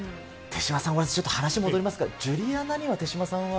手嶋さんはちょっと話戻りますが、ジュリアナには、手嶋さんは？